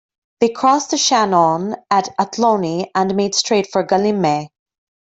They crossed the Shannon at Athlone and made straight for Gallimhe.